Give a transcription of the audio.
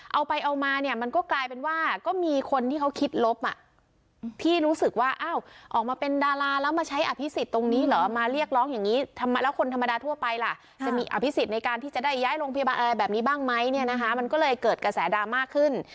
เอาไปเอามาเนี่ยมันก็กลายเป็นว่าก็มีคนที่เขาคิดลบอ่ะพี่รู้สึกว่าอ้าวออกมาเป็นดาราแล้วมาใช้อภิษฎตรงนี้เหรอมาเรียกร้องอย่างนี้แล้วคนธรรมดาทั่วไปล่ะจะมีอภิษฎในการที่จะได้ย้ายโรงพยาบาลอะไรแบบนี้บ้างไหมเนี่ยนะคะมันก็เลยเกิดกระแสดราม่าขึ้น